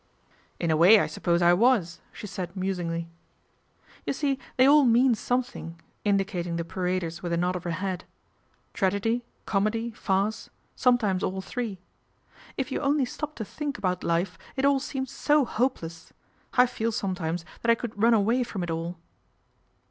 " In a way I suppose I was," she said musingly. " You see they all mean something," indicating the paraders with a nod of her head, " tragedy, comedy, farce, sometimes all three. If you only stop to think about life, it all seems so hopeless. I feel sometimes that I could run away from it all."